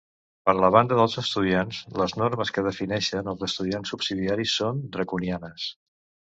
Per la banda dels estudiants, les normes que defineixen els estudiants subsidiaris són draconianes.